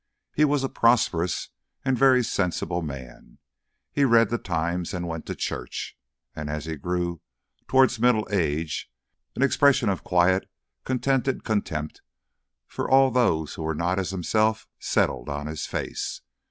He was a prosperous and very sensible man; he read the Times and went to church, and as he grew towards middle age an expression of quiet contented contempt for all who were not as himself settled on his face.